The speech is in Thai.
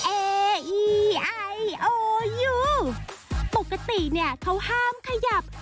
เออีไอโอยูปกติเนี่ยเขาห้ามขยับ